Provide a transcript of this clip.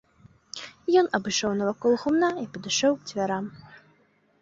Ён абышоў навакол гумна і падышоў к дзвярам.